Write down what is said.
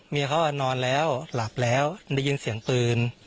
เมียเขานอนแล้วหลับแล้วได้ยินเสียงปืน